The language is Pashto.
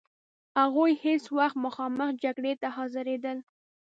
هغوی هیڅ وخت مخامخ جګړې ته حاضرېدل.